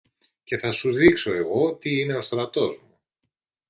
και θα σου δείξω εγώ τι είναι ο στρατός μου.